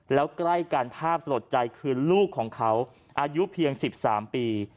แล้วใกล้กันภาพสลดใจคือลูกของเขาอายุเพียง๑๓ปี